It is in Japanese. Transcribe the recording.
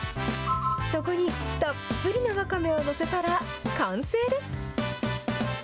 そこにたっぷりのわかめを載せたら、完成です。